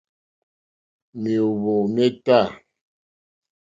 Mèóhwò mé tâ.